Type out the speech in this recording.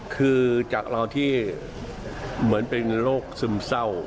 คือจากเราที่เหมือนเป็นโรคซึมเศร้า